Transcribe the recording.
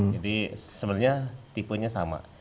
jadi sebenarnya tipenya sama